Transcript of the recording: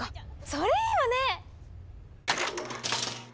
それいいわね！